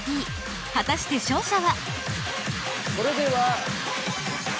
果たして勝者は？